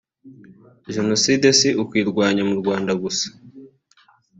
“Jenoside si ukuyirwanya mu Rwanda gusa